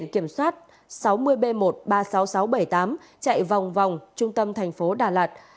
kiểm soát sáu mươi b một trăm ba mươi sáu nghìn sáu trăm bảy mươi tám chạy vòng vòng trung tâm thành phố đà lạt